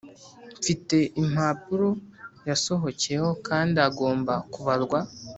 Mfite impapuro yasohokeyeho kandi agomba kubarwa